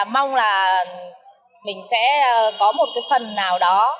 mong là mình sẽ có một cái phần nào đó